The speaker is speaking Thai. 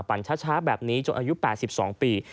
ปั่นช้าแบบนี้จนอายุ๘๒ปี